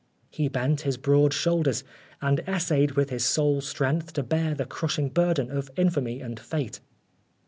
He bent his broad shoulders, and essayed with his sole strength to bear the crushing burden of infamy and fate.